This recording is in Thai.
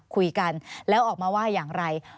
คุยกันแล้วออกมาว่าอย่างไร